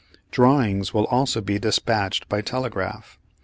Drawings will also be despatched by telegraph.